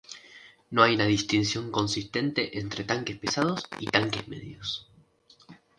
No hay una distinción consistente entre tanques pesados y tanques medios.